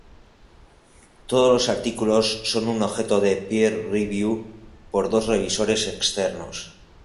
Todos los artículos son objeto de "peer review" por dos revisores externos.